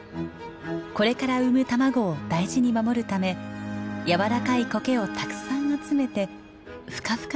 これから産む卵を大事に守るため柔らかいコケをたくさん集めてフカフカの巣を作ります。